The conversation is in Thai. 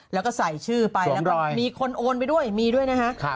แล้วก็ใส่ชื่อไปแล้วก็มีคนโอนไปด้วยมีด้วยนะฮะ